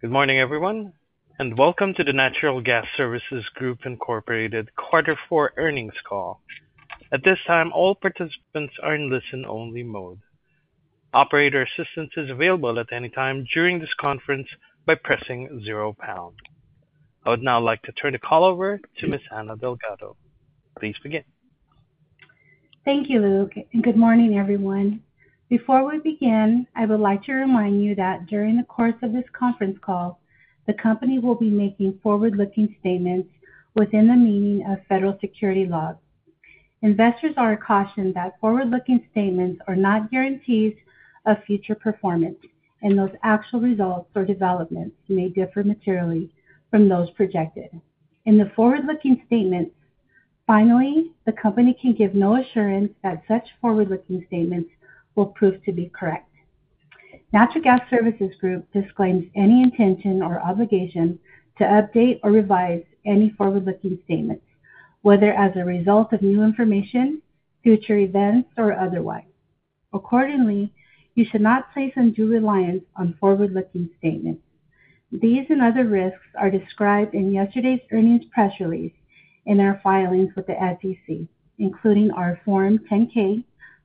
Good morning, everyone, and welcome to the Natural Gas Services Group quarter four earnings call. At this time, all participants are in listen-only mode. Operator assistance is available at any time during this conference by pressing zero pound. I would now like to turn the call over to Ms. Anna Delgado. Please begin. Thank you, Luke. Good morning, everyone. Before we begin, I would like to remind you that during the course of this conference call, the company will be making forward-looking statements within the meaning of federal security laws. Investors are cautioned that forward-looking statements are not guarantees of future performance, and that actual results or developments may differ materially from those projected. In the forward-looking statements, finally, the company can give no assurance that such forward-looking statements will prove to be correct. Natural Gas Services Group disclaims any intention or obligation to update or revise any forward-looking statements, whether as a result of new information, future events, or otherwise. Accordingly, you should not place undue reliance on forward-looking statements. These and other risks are described in yesterday's earnings press release and our filings with the SEC, including our Form 10-K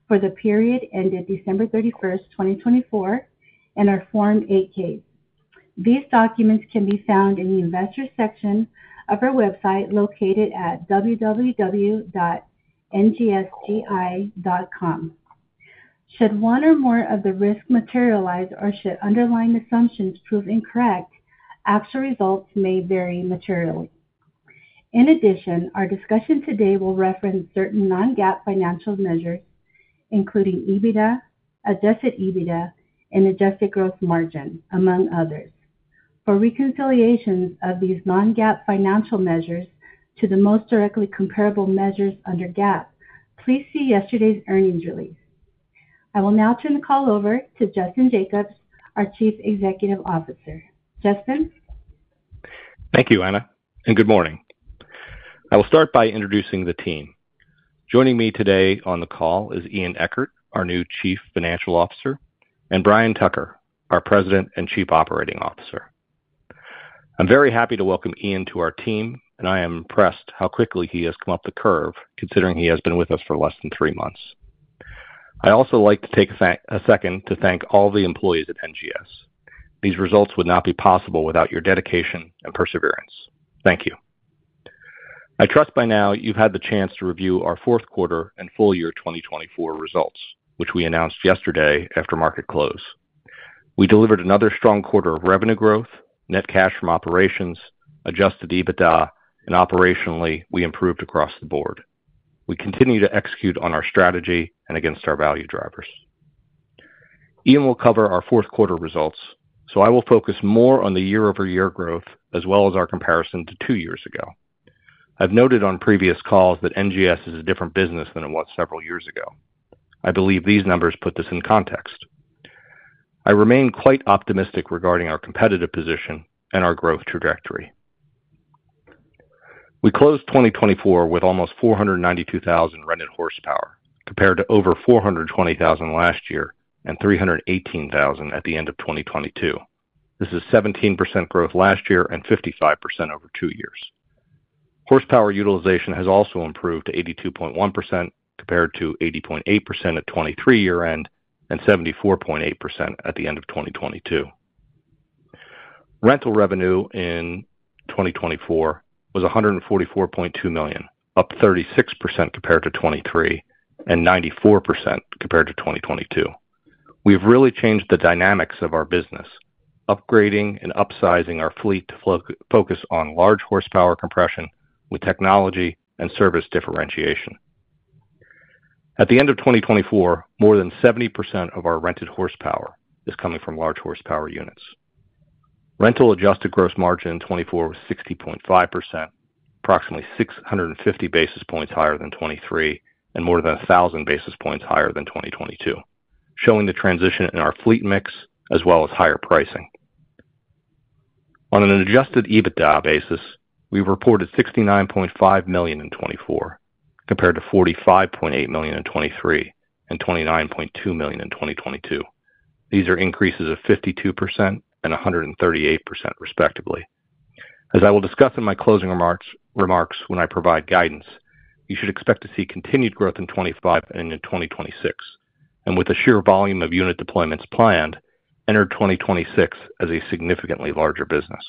for the period ended December 31st, 2024, and our Form 8-K. These documents can be found in the investor section of our website located at www.ngsgi.com. Should one or more of the risks materialize or should underlying assumptions prove incorrect, actual results may vary materially. In addition, our discussion today will reference certain non-GAAP financial measures, including EBITDA, adjusted EBITDA, and adjusted gross margin, among others. For reconciliations of these non-GAAP financial measures to the most directly comparable measures under GAAP, please see yesterday's earnings release. I will now turn the call over to Justin Jacobs, our Chief Executive Officer. Justin. Thank you, Anna, and good morning. I will start by introducing the team. Joining me today on the call is Ian Eckert, our new Chief Financial Officer, and Brian Tucker, our President and Chief Operating Officer. I'm very happy to welcome Ian to our team, and I am impressed how quickly he has come up the curve, considering he has been with us for less than three months. I'd also like to take a second to thank all the employees at NGS. These results would not be possible without your dedication and perseverance. Thank you. I trust by now you've had the chance to review our fourth quarter and full year 2024 results, which we announced yesterday after market close. We delivered another strong quarter of revenue growth, net cash from operations, adjusted EBITDA, and operationally, we improved across the board. We continue to execute on our strategy and against our value drivers. Ian will cover our fourth quarter results, so I will focus more on the year-over-year growth as well as our comparison to two years ago. I've noted on previous calls that NGS is a different business than it was several years ago. I believe these numbers put this in context. I remain quite optimistic regarding our competitive position and our growth trajectory. We closed 2024 with almost 492,000 rented horsepower, compared to over 420,000 last year and 318,000 at the end of 2022. This is 17% growth last year and 55% over two years. Horsepower utilization has also improved to 82.1%, compared to 80.8% at 2023 year-end and 74.8% at the end of 2022. Rental revenue in 2024 was $144.2 million, up 36% compared to 2023 and 94% compared to 2022. We have really changed the dynamics of our business, upgrading and upsizing our fleet to focus on large horsepower compression with technology and service differentiation. At the end of 2024, more than 70% of our rented horsepower is coming from large horsepower units. Rental adjusted gross margin in 2024 was 60.5%, approximately 650 basis points higher than 2023 and more than 1,000 basis points higher than 2022, showing the transition in our fleet mix as well as higher pricing. On an adjusted EBITDA basis, we've reported $69.5 million in 2024, compared to $45.8 million in 2023 and $29.2 million in 2022. These are increases of 52% and 138%, respectively. As I will discuss in my closing remarks when I provide guidance, you should expect to see continued growth in 2025 and in 2026, and with a sheer volume of unit deployments planned, enter 2026 as a significantly larger business.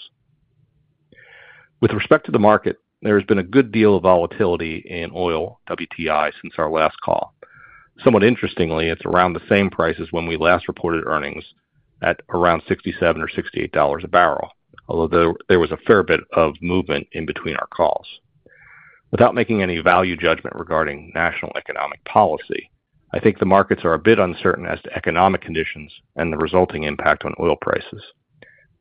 With respect to the market, there has been a good deal of volatility in oil, WTI, since our last call. Somewhat interestingly, it's around the same price as when we last reported earnings at around $67 or $68 a barrel, although there was a fair bit of movement in between our calls. Without making any value judgment regarding national economic policy, I think the markets are a bit uncertain as to economic conditions and the resulting impact on oil prices.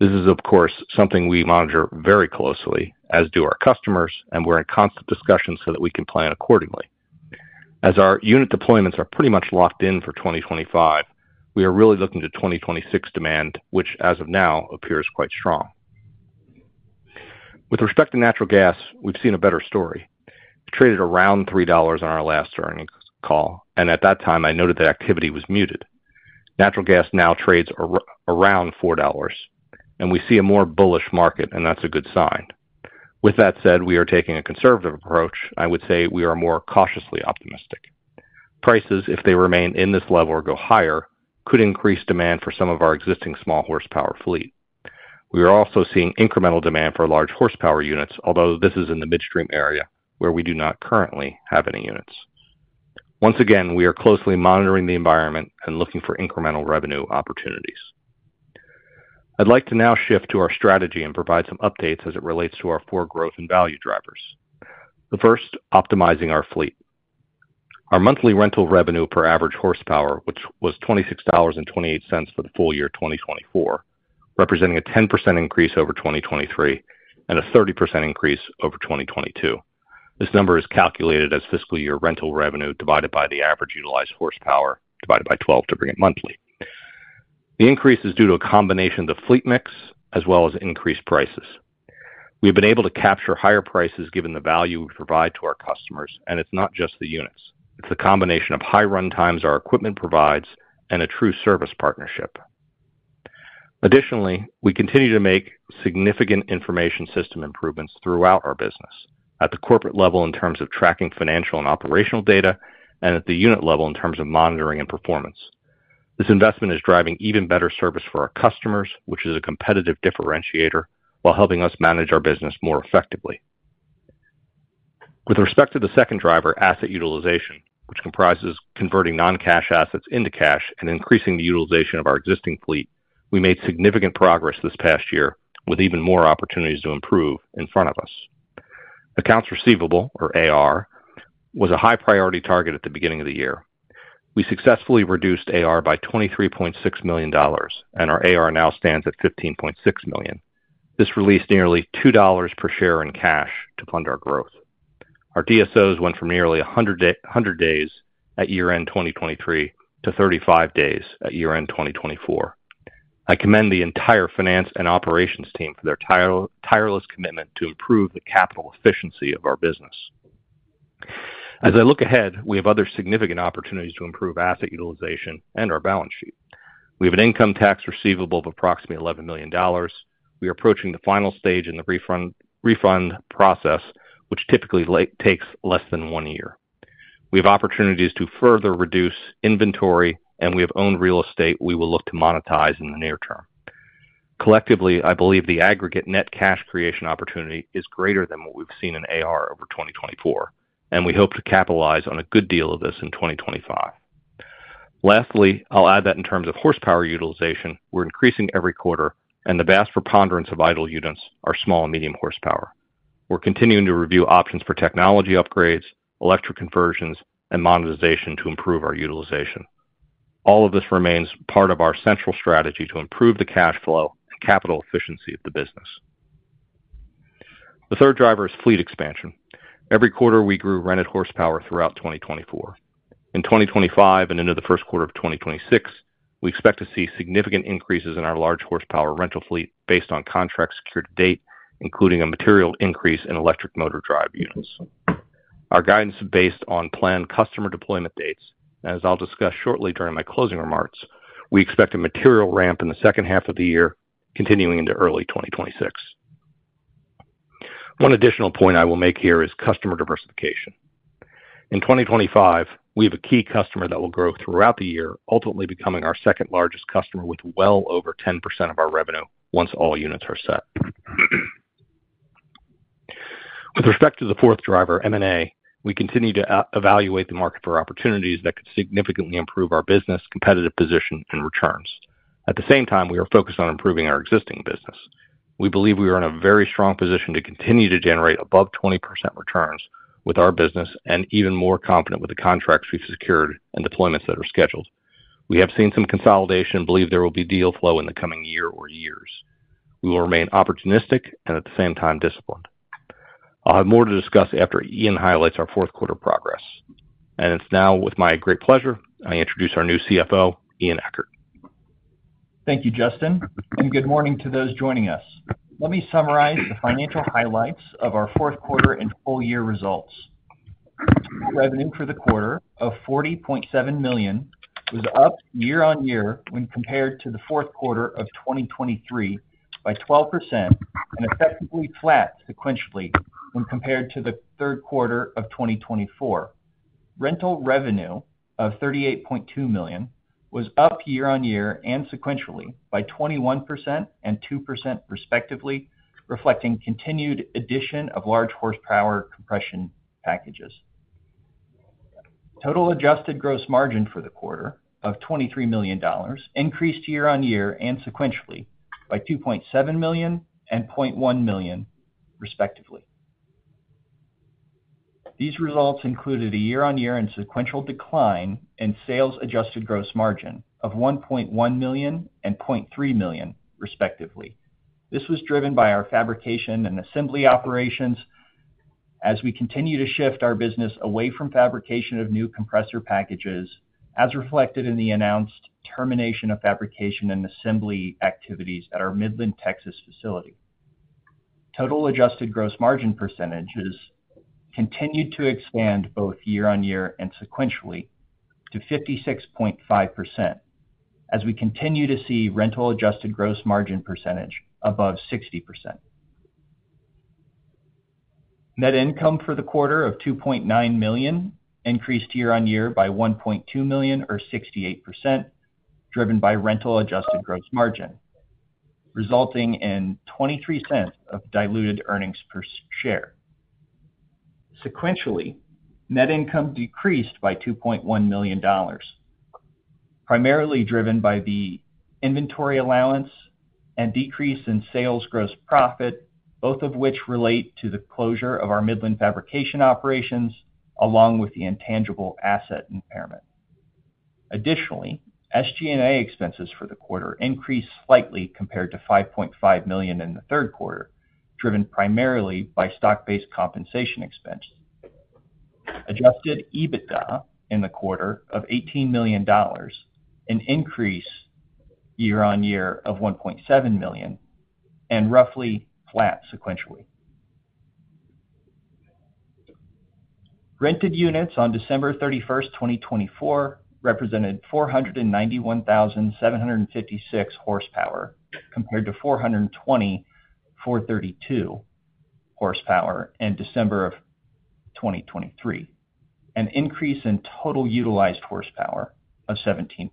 This is, of course, something we monitor very closely, as do our customers, and we're in constant discussion so that we can plan accordingly. As our unit deployments are pretty much locked in for 2025, we are really looking to 2026 demand, which, as of now, appears quite strong. With respect to natural gas, we've seen a better story. It traded around $3 on our last earnings call, and at that time, I noted that activity was muted. Natural gas now trades around $4, and we see a more bullish market, and that's a good sign. With that said, we are taking a conservative approach. I would say we are more cautiously optimistic. Prices, if they remain in this level or go higher, could increase demand for some of our existing small horsepower fleet. We are also seeing incremental demand for large horsepower units, although this is in the midstream area where we do not currently have any units. Once again, we are closely monitoring the environment and looking for incremental revenue opportunities. I'd like to now shift to our strategy and provide some updates as it relates to our four growth and value drivers. The first, optimizing our fleet. Our monthly rental revenue per average horsepower, which was $26.28 for the full year 2024, representing a 10% increase over 2023 and a 30% increase over 2022. This number is calculated as fiscal year rental revenue divided by the average utilized horsepower, divided by 12 to bring it monthly. The increase is due to a combination of the fleet mix as well as increased prices. We have been able to capture higher prices given the value we provide to our customers, and it's not just the units. It's the combination of high runtimes our equipment provides and a true service partnership. Additionally, we continue to make significant information system improvements throughout our business at the corporate level in terms of tracking financial and operational data, and at the unit level in terms of monitoring and performance. This investment is driving even better service for our customers, which is a competitive differentiator while helping us manage our business more effectively. With respect to the second driver, asset utilization, which comprises converting non-cash assets into cash and increasing the utilization of our existing fleet, we made significant progress this past year with even more opportunities to improve in front of us. Accounts receivable, or AR, was a high-priority target at the beginning of the year. We successfully reduced AR by $23.6 million, and our AR now stands at $15.6 million. This released nearly $2 per share in cash to fund our growth. Our DSOs went from nearly 100 days at year-end 2023 to 35 days at year-end 2024. I commend the entire finance and operations team for their tireless commitment to improve the capital efficiency of our business. As I look ahead, we have other significant opportunities to improve asset utilization and our balance sheet. We have an income tax receivable of approximately $11 million. We are approaching the final stage in the refund process, which typically takes less than one year. We have opportunities to further reduce inventory, and we have owned real estate we will look to monetize in the near term. Collectively, I believe the aggregate net cash creation opportunity is greater than what we've seen in AR over 2024, and we hope to capitalize on a good deal of this in 2025. Lastly, I'll add that in terms of horsepower utilization, we're increasing every quarter, and the vast preponderance of idle units are small and medium horsepower. We're continuing to review options for technology upgrades, electric conversions, and monetization to improve our utilization. All of this remains part of our central strategy to improve the cash flow and capital efficiency of the business. The third driver is fleet expansion. Every quarter, we grew rented horsepower throughout 2024. In 2025 and into the first quarter of 2026, we expect to see significant increases in our large horsepower rental fleet based on contracts secured to date, including a material increase in electric motor drive units. Our guidance is based on planned customer deployment dates, and as I'll discuss shortly during my closing remarks, we expect a material ramp in the second half of the year, continuing into early 2026. One additional point I will make here is customer diversification. In 2025, we have a key customer that will grow throughout the year, ultimately becoming our second largest customer with well over 10% of our revenue once all units are set. With respect to the fourth driver, M&A, we continue to evaluate the market for opportunities that could significantly improve our business, competitive position, and returns. At the same time, we are focused on improving our existing business. We believe we are in a very strong position to continue to generate above 20% returns with our business and even more confident with the contracts we have secured and deployments that are scheduled. We have seen some consolidation and believe there will be deal flow in the coming year or years. We will remain opportunistic and at the same time disciplined. I will have more to discuss after Ian highlights our fourth quarter progress. It is now, with my great pleasure, I introduce our new CFO, Ian Eckert. Thank you, Justin, and good morning to those joining us. Let me summarize the financial highlights of our fourth quarter and full year results. Revenue for the quarter of $40.7 million was up year-on-year when compared to the fourth quarter of 2023 by 12% and effectively flat sequentially when compared to the third quarter of 2024. Rental revenue of $38.2 million was up year-on-year and sequentially by 21% and 2%, respectively, reflecting continued addition of large horsepower compression packages. Total adjusted gross margin for the quarter of $23 million increased year-on-year and sequentially by $2.7 million and $0.1 million, respectively. These results included a year-on-year and sequential decline in sales adjusted gross margin of $1.1 million and $0.3 million, respectively. This was driven by our fabrication and assembly operations as we continue to shift our business away from fabrication of new compressor packages, as reflected in the announced termination of fabrication and assembly activities at our Midland, Texas facility. Total adjusted gross margin percentages continued to expand both year-on-year and sequentially to 56.5% as we continue to see rental adjusted gross margin percentage above 60%. Net income for the quarter of $2.9 million increased year-on-year by $1.2 million, or 68%, driven by rental adjusted gross margin, resulting in $0.23 of diluted earnings per share. Sequentially, net income decreased by $2.1 million, primarily driven by the inventory allowance and decrease in sales gross profit, both of which relate to the closure of our Midland fabrication operations along with the intangible asset impairment. Additionally, SG&A expenses for the quarter increased slightly compared to $5.5 million in the third quarter, driven primarily by stock-based compensation expenses. Adjusted EBITDA in the quarter of $18 million, an increase year-on-year of $1.7 million, and roughly flat sequentially. Rented units on December 31, 2024, represented 491,756 horsepower compared to 420,432 horsepower in December of 2023, an increase in total utilized horsepower of 17%.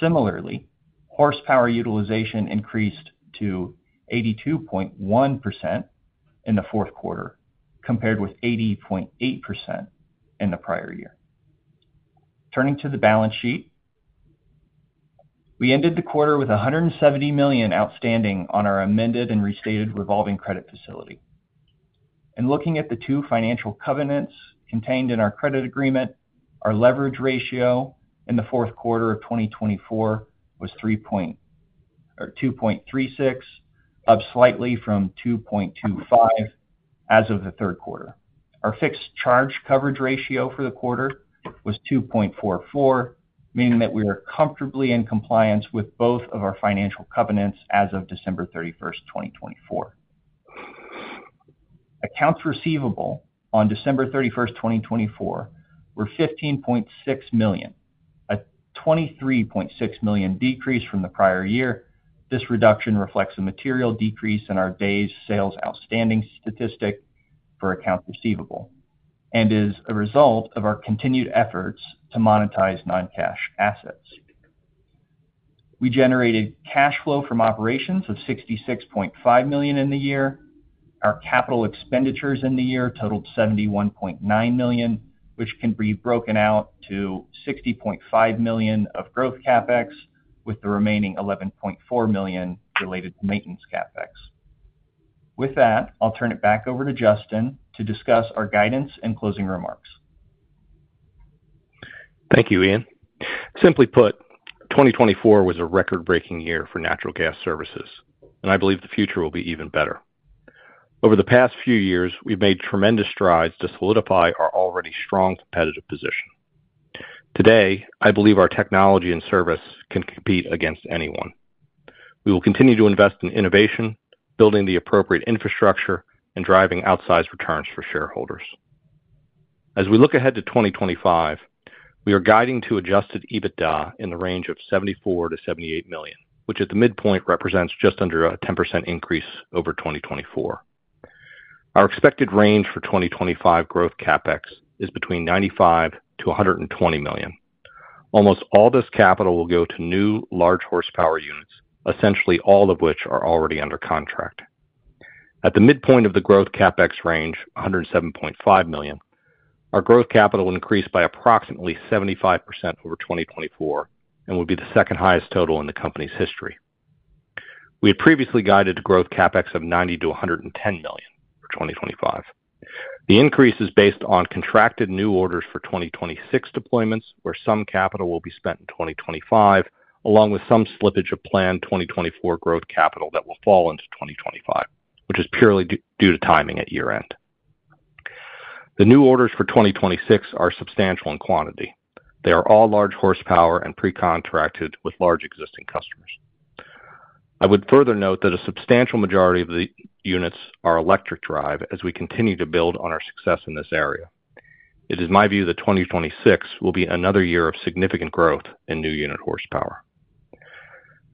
Similarly, horsepower utilization increased to 82.1% in the fourth quarter compared with 80.8% in the prior year. Turning to the balance sheet, we ended the quarter with $170 million outstanding on our amended and restated revolving credit facility. Looking at the two financial covenants contained in our credit agreement, our leverage ratio in the fourth quarter of 2024 was 2.36, up slightly from 2.25 as of the third quarter. Our fixed charge coverage ratio for the quarter was 2.44, meaning that we are comfortably in compliance with both of our financial covenants as of December 31st, 2024. Accounts receivable on December 31st, 2024, were $15.6 million, a $23.6 million decrease from the prior year. This reduction reflects a material decrease in our days sales outstanding statistic for accounts receivable and is a result of our continued efforts to monetize non-cash assets. We generated cash flow from operations of $66.5 million in the year. Our capital expenditures in the year totaled $71.9 million, which can be broken out to $60.5 million of growth CapEx, with the remaining $11.4 million related to maintenance CapEx. With that, I'll turn it back over to Justin to discuss our guidance and closing remarks. Thank you, Ian. Simply put, 2024 was a record-breaking year for Natural Gas Services Group, and I believe the future will be even better. Over the past few years, we've made tremendous strides to solidify our already strong competitive position. Today, I believe our technology and service can compete against anyone. We will continue to invest in innovation, building the appropriate infrastructure, and driving outsized returns for shareholders. As we look ahead to 2025, we are guiding to adjusted EBITDA in the range of $74 million-$78 million, which at the midpoint represents just under a 10% increase over 2024. Our expected range for 2025 growth CapEx is between $95 million and $120 million. Almost all this capital will go to new large horsepower units, essentially all of which are already under contract. At the midpoint of the growth CapEx range, $107.5 million, our growth capital increased by approximately 75% over 2024 and will be the second highest total in the company's history. We had previously guided to growth CapEx of $90 million-$110 million for 2025. The increase is based on contracted new orders for 2026 deployments, where some capital will be spent in 2025, along with some slippage of planned 2024 growth capital that will fall into 2025, which is purely due to timing at year-end. The new orders for 2026 are substantial in quantity. They are all large horsepower and pre-contracted with large existing customers. I would further note that a substantial majority of the units are electric drive as we continue to build on our success in this area. It is my view that 2026 will be another year of significant growth in new unit horsepower.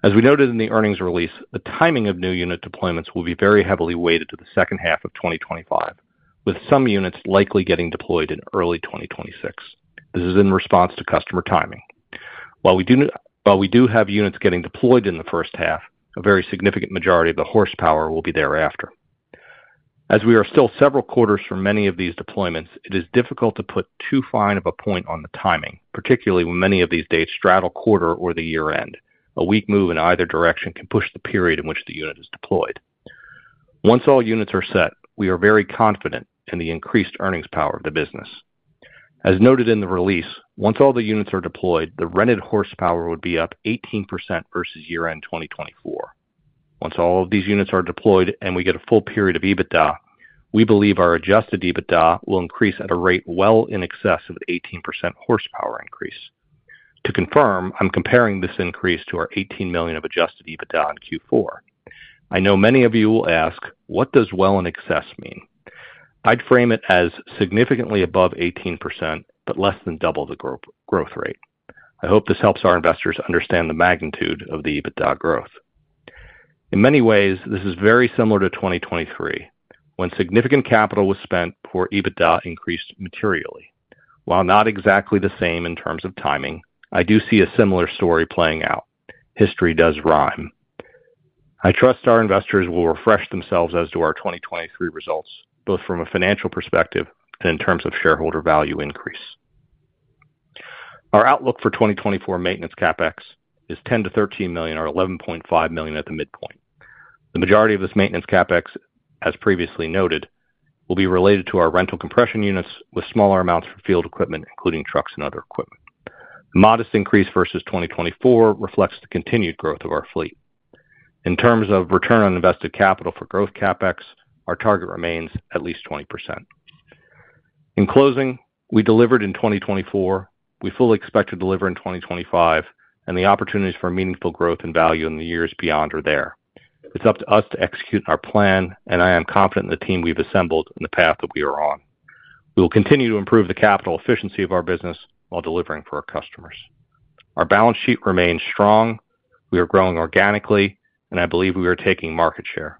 As we noted in the earnings release, the timing of new unit deployments will be very heavily weighted to the second half of 2025, with some units likely getting deployed in early 2026. This is in response to customer timing. While we do have units getting deployed in the first half, a very significant majority of the horsepower will be thereafter. As we are still several quarters from many of these deployments, it is difficult to put too fine of a point on the timing, particularly when many of these dates straddle quarter or the year-end. A weak move in either direction can push the period in which the unit is deployed. Once all units are set, we are very confident in the increased earnings power of the business. As noted in the release, once all the units are deployed, the rented horsepower would be up 18% versus year-end 2024. Once all of these units are deployed and we get a full period of EBITDA, we believe our adjusted EBITDA will increase at a rate well in excess of the 18% horsepower increase. To confirm, I'm comparing this increase to our $18 million of adjusted EBITDA in Q4. I know many of you will ask, "What does well in excess mean?" I'd frame it as significantly above 18%, but less than double the growth rate. I hope this helps our investors understand the magnitude of the EBITDA growth. In many ways, this is very similar to 2023, when significant capital was spent for EBITDA increased materially. While not exactly the same in terms of timing, I do see a similar story playing out. History does rhyme. I trust our investors will refresh themselves as to our 2023 results, both from a financial perspective and in terms of shareholder value increase. Our outlook for 2024 maintenance CapEx is $10 million-$13 million, or $11.5 million at the midpoint. The majority of this maintenance CapEx, as previously noted, will be related to our rental compression units with smaller amounts for field equipment, including trucks and other equipment. The modest increase versus 2024 reflects the continued growth of our fleet. In terms of return on invested capital for growth CapEx, our target remains at least 20%. In closing, we delivered in 2024. We fully expect to deliver in 2025, and the opportunities for meaningful growth and value in the years beyond are there. It's up to us to execute our plan, and I am confident in the team we've assembled and the path that we are on. We will continue to improve the capital efficiency of our business while delivering for our customers. Our balance sheet remains strong. We are growing organically, and I believe we are taking market share.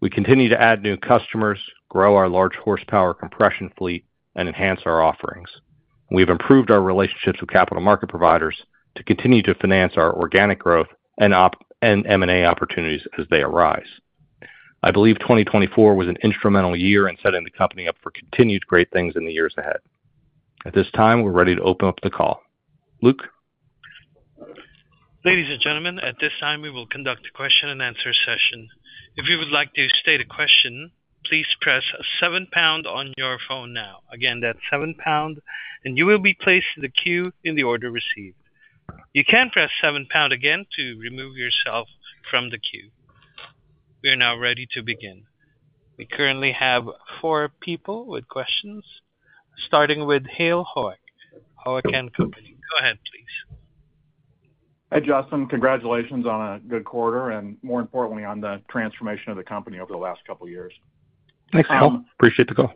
We continue to add new customers, grow our large horsepower compression fleet, and enhance our offerings. We have improved our relationships with capital market providers to continue to finance our organic growth and M&A opportunities as they arise. I believe 2024 was an instrumental year in setting the company up for continued great things in the years ahead. At this time, we're ready to open up the call. Luke. Ladies and gentlemen, at this time, we will conduct a question and answer session. If you would like to state a question, please press seven pound on your phone now. Again, that's seven pound, and you will be placed in the queue in the order received. You can press seven pound again to remove yourself from the queue. We are now ready to begin. We currently have four people with questions, starting with Hale Hoak, Hoak & Company. Go ahead, please. Hey, Justin. Congratulations on a good quarter and, more importantly, on the transformation of the company over the last couple of years. Thanks, Al. Appreciate the call.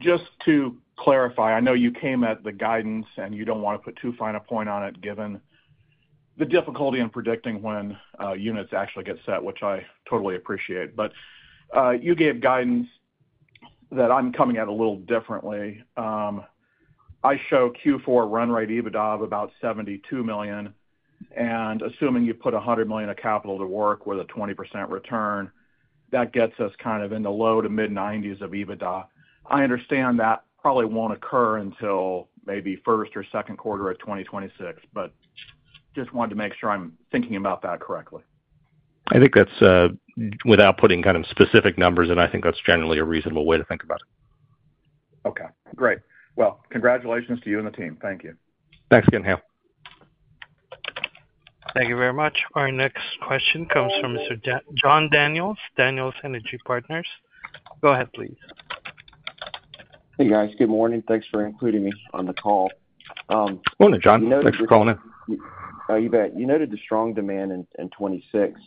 Just to clarify, I know you came at the guidance, and you do not want to put too fine a point on it given the difficulty in predicting when units actually get set, which I totally appreciate. You gave guidance that I am coming at a little differently. I show Q4 run rate EBITDA of about $72 million. Assuming you put $100 million of capital to work with a 20% return, that gets us kind of in the low to mid-$90 million of EBITDA. I understand that probably will not occur until maybe first or second quarter of 2026, but just wanted to make sure I am thinking about that correctly. I think that's without putting kind of specific numbers, and I think that's generally a reasonable way to think about it. Okay. Great. Congratulations to you and the team. Thank you. Thanks again, Hale. Thank you very much. Our next question comes from Mr. John Daniel, Daniel Energy Partners. Go ahead, please. Hey, guys. Good morning. Thanks for including me on the call. Good morning, John. Thanks for calling in. You bet. You noted the strong demand in 2026.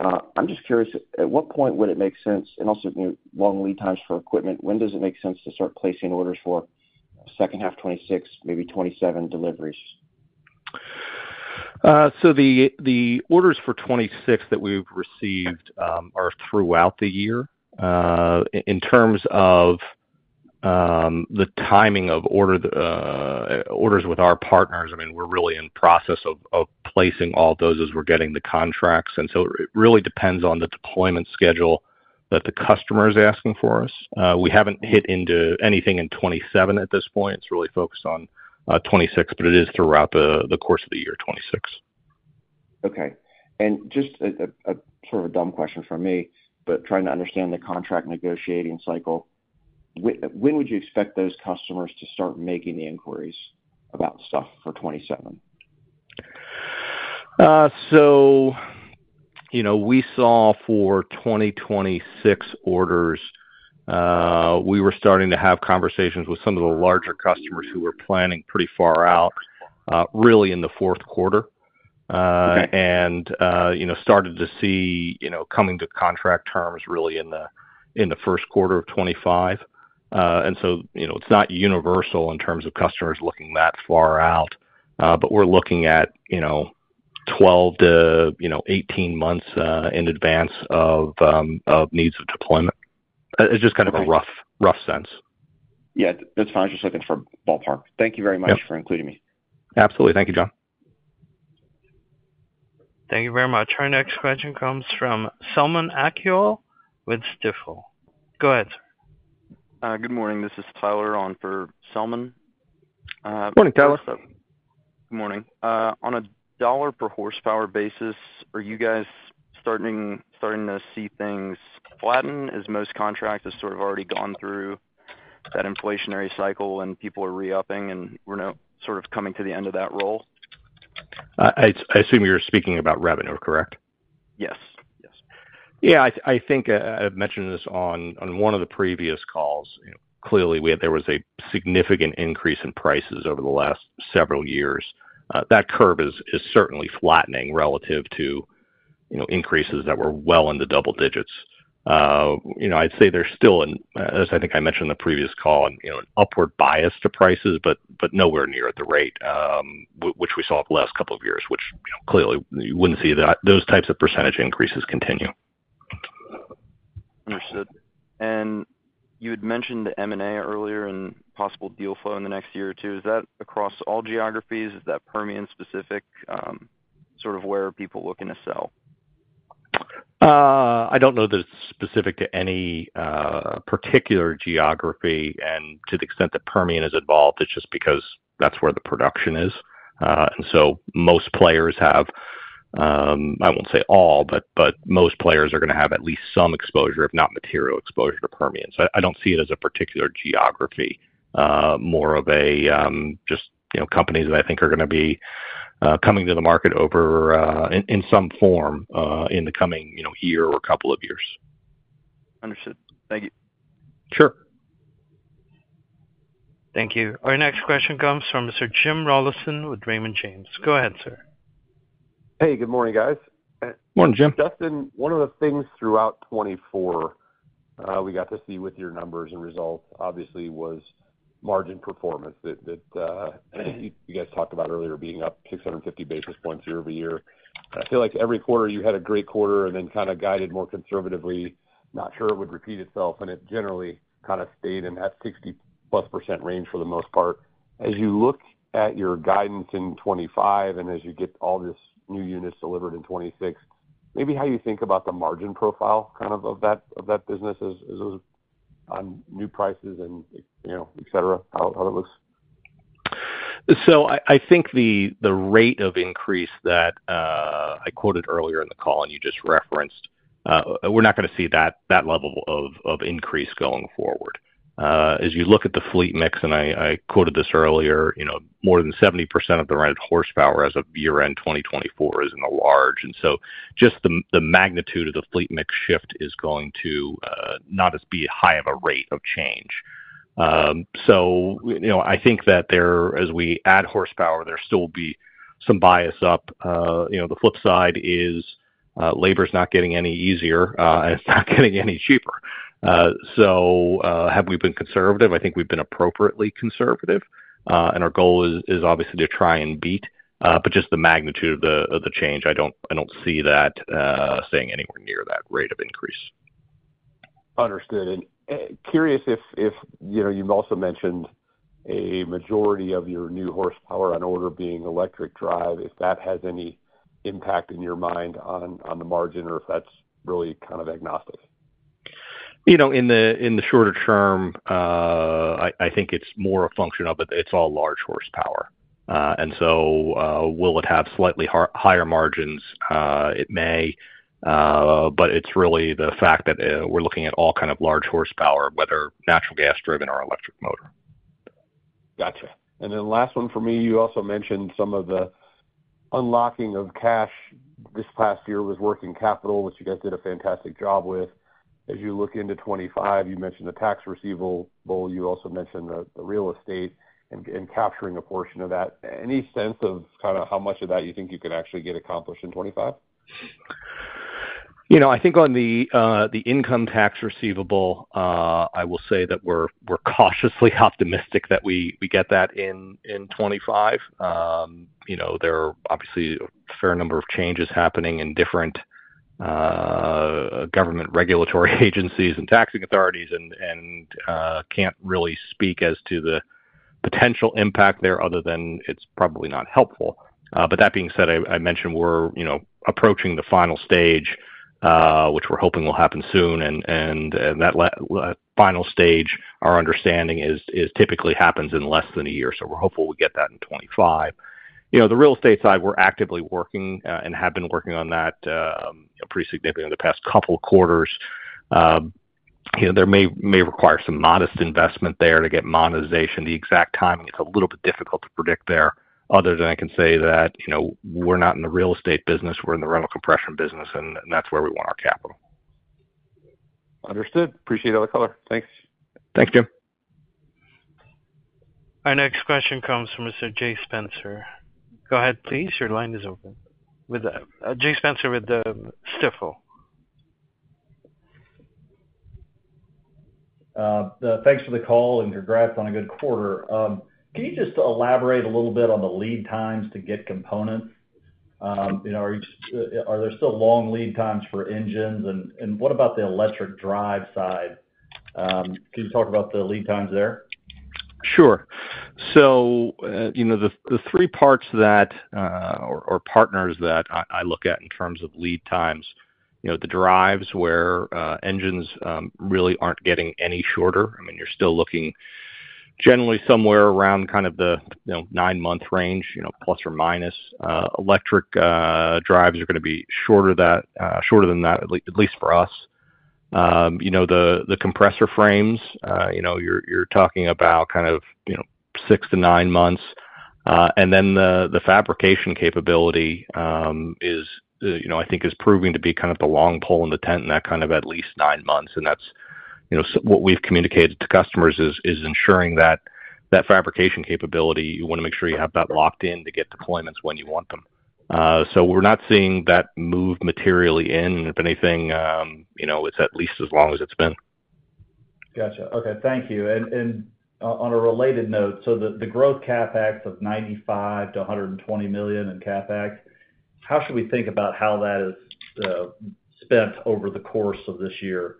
I'm just curious, at what point would it make sense? Also, long lead times for equipment, when does it make sense to start placing orders for second half 2026, maybe 2027 deliveries? The orders for 2026 that we've received are throughout the year. In terms of the timing of orders with our partners, I mean, we're really in process of placing all those as we're getting the contracts. It really depends on the deployment schedule that the customer is asking for us. We haven't hit into anything in 2027 at this point. It's really focused on 2026, but it is throughout the course of the year 2026. Okay. Just a sort of a dumb question for me, but trying to understand the contract negotiating cycle, when would you expect those customers to start making the inquiries about stuff for 2027? We saw for 2026 orders, we were starting to have conversations with some of the larger customers who were planning pretty far out, really in the fourth quarter, and started to see coming to contract terms really in the first quarter of 2025. It is not universal in terms of customers looking that far out, but we are looking at 12-18 months in advance of needs of deployment. It is just kind of a rough sense. Yeah. That's fine. I was just looking for ballpark. Thank you very much for including me. Absolutely. Thank you, John. Thank you very much. Our next question comes from Selman Akyol with Stifel. Go ahead, sir. Good morning. This is Tyler on for Selman. Good morning, Tyler. Good morning. On a dollar-per-horsepower basis, are you guys starting to see things flatten as most contracts have sort of already gone through that inflationary cycle and people are re-upping and we're sort of coming to the end of that roll? I assume you're speaking about revenue, correct? Yes. Yes. Yeah. I think I've mentioned this on one of the previous calls. Clearly, there was a significant increase in prices over the last several years. That curve is certainly flattening relative to increases that were well in the double digits. I'd say there's still, as I think I mentioned in the previous call, an upward bias to prices, but nowhere near at the rate which we saw the last couple of years, which clearly you wouldn't see those types of percentage increases continue. Understood. You had mentioned the M&A earlier and possible deal flow in the next year or two. Is that across all geographies? Is that Permian-specific, sort of where are people looking to sell? I don't know that it's specific to any particular geography. To the extent that Permian is involved, it's just because that's where the production is. Most players have, I won't say all, but most players are going to have at least some exposure, if not material exposure, to Permian. I don't see it as a particular geography, more of just companies that I think are going to be coming to the market in some form in the coming year or a couple of years. Understood. Thank you. Sure. Thank you. Our next question comes from Mr. Jim Rollyson with Raymond James. Go ahead, sir. Hey, good morning, guys. Morning, Jim. Justin, one of the things throughout 2024 we got to see with your numbers and results, obviously, was margin performance that you guys talked about earlier being up 650 basis points year over year. I feel like every quarter you had a great quarter and then kind of guided more conservatively. Not sure it would repeat itself, and it generally kind of stayed in that 60-plus % range for the most part. As you look at your guidance in 2025 and as you get all these new units delivered in 2026, maybe how you think about the margin profile kind of of that business on new prices, etc., how that looks? I think the rate of increase that I quoted earlier in the call and you just referenced, we're not going to see that level of increase going forward. As you look at the fleet mix, and I quoted this earlier, more than 70% of the rented horsepower as of year-end 2024 is in the large. Just the magnitude of the fleet mix shift is going to not just be high of a rate of change. I think that as we add horsepower, there still will be some bias up. The flip side is labor's not getting any easier, and it's not getting any cheaper. Have we been conservative? I think we've been appropriately conservative. Our goal is obviously to try and beat, but just the magnitude of the change, I don't see that staying anywhere near that rate of increase. Understood. Curious if you've also mentioned a majority of your new horsepower on order being electric drive, if that has any impact in your mind on the margin or if that's really kind of agnostic? In the shorter term, I think it's more a function of it's all large horsepower. It may have slightly higher margins. It may. It's really the fact that we're looking at all kind of large horsepower, whether natural gas-driven or electric motor. Gotcha. Last one for me, you also mentioned some of the unlocking of cash this past year with working capital, which you guys did a fantastic job with. As you look into 2025, you mentioned the tax receivable. You also mentioned the real estate and capturing a portion of that. Any sense of kind of how much of that you think you could actually get accomplished in 2025? I think on the income tax receivable, I will say that we're cautiously optimistic that we get that in 2025. There are obviously a fair number of changes happening in different government regulatory agencies and taxing authorities and can't really speak as to the potential impact there other than it's probably not helpful. That being said, I mentioned we're approaching the final stage, which we're hoping will happen soon. That final stage, our understanding, typically happens in less than a year. We're hopeful we get that in 2025. The real estate side, we're actively working and have been working on that pretty significantly in the past couple of quarters. There may require some modest investment there to get monetization. The exact timing is a little bit difficult to predict there, other than I can say that we're not in the real estate business. We're in the rental compression business, and that's where we want our capital. Understood. Appreciate all the color. Thanks. Thanks, Jim. Our next question comes from Mr. Jay Spencer. Go ahead, please. Your line is open. Jay Spencer with Stifel. Thanks for the call and congrats on a good quarter. Can you just elaborate a little bit on the lead times to get components? Are there still long lead times for engines? What about the electric drive side? Can you talk about the lead times there? Sure. The three parts or partners that I look at in terms of lead times, the drives where engines really aren't getting any shorter. I mean, you're still looking generally somewhere around kind of the nine-month range, plus or minus. Electric drives are going to be shorter than that, at least for us. The compressor frames, you're talking about kind of six to nine months. The fabrication capability, I think, is proving to be kind of the long pole in the tent in that kind of at least nine months. That's what we've communicated to customers, is ensuring that fabrication capability, you want to make sure you have that locked in to get deployments when you want them. We're not seeing that move materially in. If anything, it's at least as long as it's been. Gotcha. Okay. Thank you. On a related note, the growth CapEx of $95 million-$120 million in CapEx, how should we think about how that is spent over the course of this year?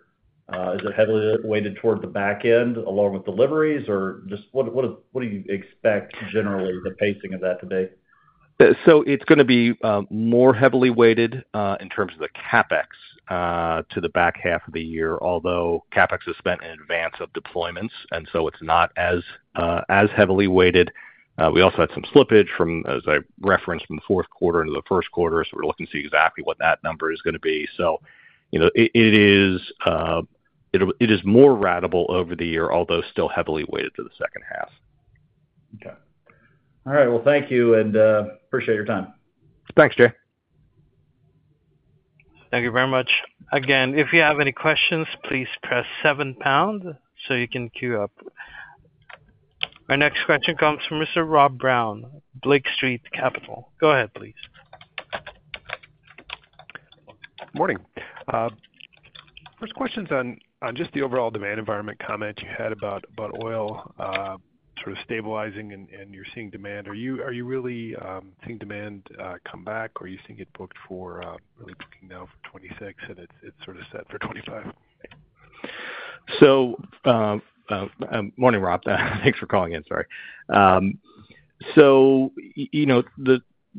Is it heavily weighted toward the back end along with deliveries, or just what do you expect generally the pacing of that to be? It is going to be more heavily weighted in terms of the CapEx to the back half of the year, although CapEx is spent in advance of deployments. It is not as heavily weighted. We also had some slippage, as I referenced, from the fourth quarter into the first quarter. We are looking to see exactly what that number is going to be. It is more ratable over the year, although still heavily weighted to the second half. Okay. All right. Thank you. I appreciate your time. Thanks, Jay. Thank you very much. Again, if you have any questions, please press 7 pound so you can queue up. Our next question comes from Mr. Rob Brown, Lake Street Capital. Go ahead, please. Morning. First question's on just the overall demand environment comment you had about oil sort of stabilizing and you're seeing demand. Are you really seeing demand come back, or are you seeing it booked for really booking now for 2026, and it's sort of set for 2025? Morning, Rob. Thanks for calling in. Sorry.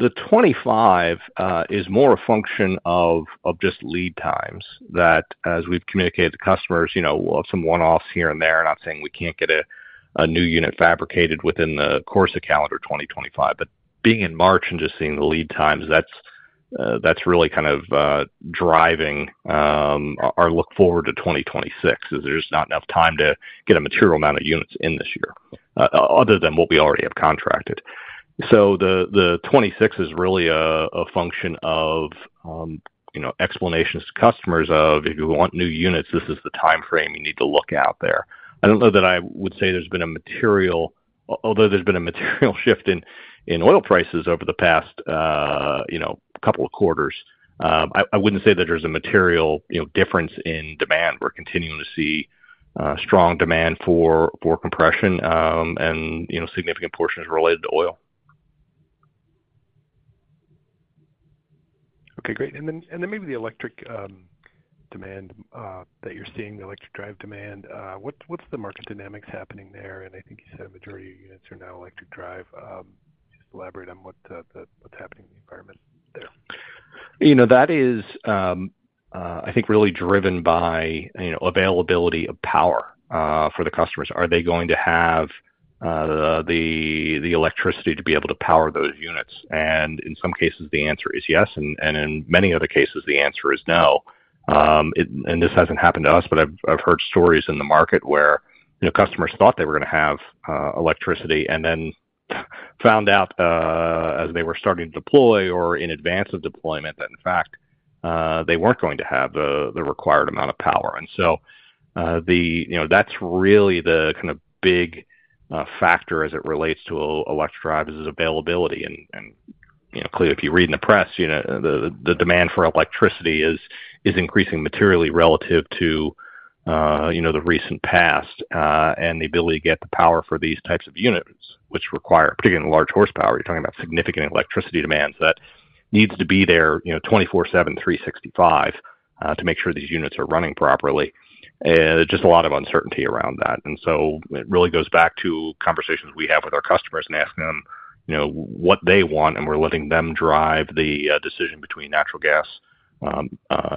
The 2025 is more a function of just lead times that, as we've communicated to customers, we'll have some one-offs here and there. I'm not saying we can't get a new unit fabricated within the course of calendar 2025. But being in March and just seeing the lead times, that's really kind of driving our look forward to 2026, is there's not enough time to get a material amount of units in this year, other than what we already have contracted. The 2026 is really a function of explanations to customers of, "If you want new units, this is the time frame you need to look at there." I don't know that I would say there's been a material, although there's been a material shift in oil prices over the past couple of quarters, I wouldn't say that there's a material difference in demand. We're continuing to see strong demand for compression and significant portions related to oil. Okay. Great. Maybe the electric demand that you're seeing, the electric drive demand, what's the market dynamics happening there? I think you said a majority of units are now electric drive. Just elaborate on what's happening in the environment there. That is, I think, really driven by availability of power for the customers. Are they going to have the electricity to be able to power those units? In some cases, the answer is yes. In many other cases, the answer is no. This has not happened to us, but I have heard stories in the market where customers thought they were going to have electricity and then found out as they were starting to deploy or in advance of deployment that, in fact, they were not going to have the required amount of power. That is really the kind of big factor as it relates to electric drives, availability. Clearly, if you read in the press, the demand for electricity is increasing materially relative to the recent past and the ability to get the power for these types of units, which require, particularly in large horsepower, you're talking about significant electricity demands that need to be there 24/7, 365 to make sure these units are running properly. There is just a lot of uncertainty around that. It really goes back to conversations we have with our customers and asking them what they want, and we're letting them drive the decision between natural gas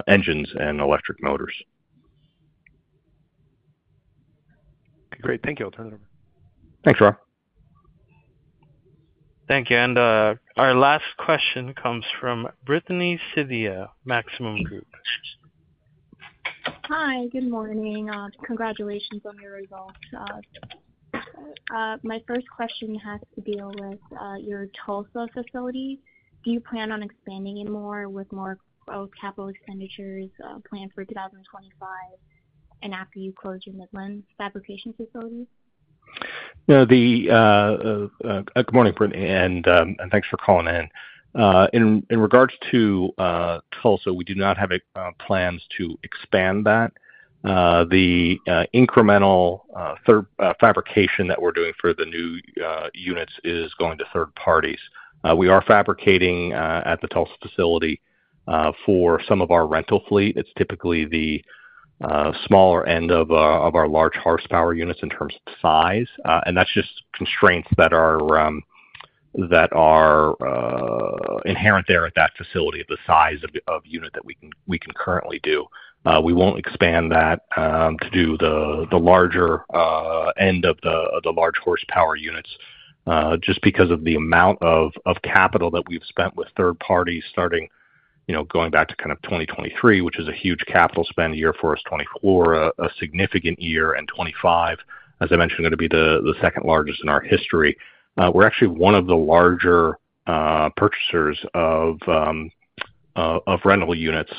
engines and electric motors. Okay. Great. Thank you. I'll turn it over. Thanks, Rob. Thank you. Our last question comes from Brittany Sivia, Maxim Group. Hi. Good morning. Congratulations on your results. My first question has to deal with your Tulsa facility. Do you plan on expanding it more with more capital expenditures planned for 2025 and after you close your Midland fabrication facility? Good morning, Brittany. Thanks for calling in. In regards to Tulsa, we do not have plans to expand that. The incremental fabrication that we are doing for the new units is going to third parties. We are fabricating at the Tulsa facility for some of our rental fleet. It is typically the smaller end of our large horsepower units in terms of size. That is just constraints that are inherent there at that facility, the size of unit that we can currently do. We will not expand that to do the larger end of the large horsepower units just because of the amount of capital that we have spent with third parties starting going back to 2023, which is a huge capital spend year for us. 2024, a significant year, and 2025, as I mentioned, going to be the second largest in our history. We're actually one of the larger purchasers of rental units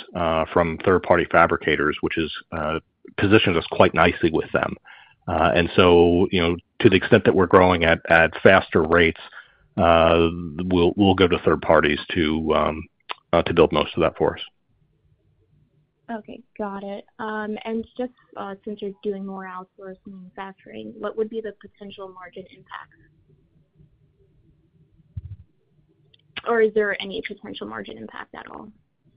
from third-party fabricators, which positions us quite nicely with them. To the extent that we're growing at faster rates, we'll go to third parties to build most of that for us. Okay. Got it. Just since you're doing more outsourcing and factoring, what would be the potential margin impact? Or is there any potential margin impact at all?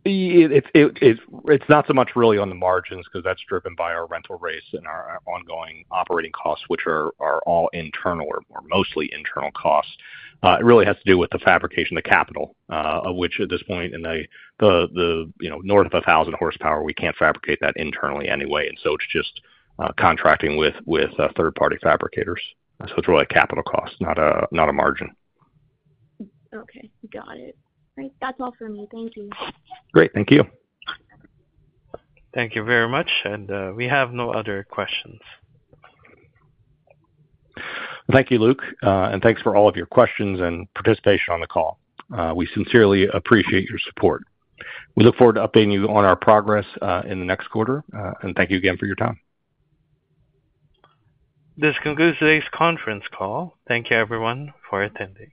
It's not so much really on the margins because that's driven by our rental rates and our ongoing operating costs, which are all internal or mostly internal costs. It really has to do with the fabrication, the capital, of which at this point in the north of 1,000 horsepower, we can't fabricate that internally anyway. It is just contracting with third-party fabricators. It is really capital costs, not a margin. Okay. Got it. All right. That's all for me. Thank you. Great. Thank you. Thank you very much. We have no other questions. Thank you, Luke. Thanks for all of your questions and participation on the call. We sincerely appreciate your support. We look forward to updating you on our progress in the next quarter. Thank you again for your time. This concludes today's conference call. Thank you, everyone, for attending.